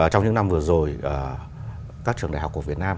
trong những năm vừa rồi các trường đại học của việt nam